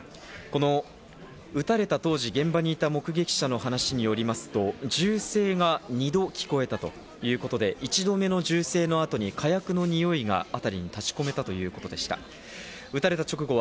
この撃たれた当時、現場にいた目撃者の話によりますと、銃声が２度、聞こえたということで、一度目の銃声の後に火薬のにおいが辺りに立ち込めたということでした。